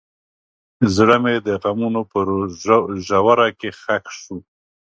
زړه مې د غمونو په ژوره کې ښخ شو.